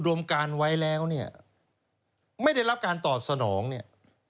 รวมการไว้แล้วเนี่ยไม่ได้รับการตอบสนองเนี่ย